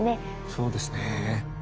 そうですね。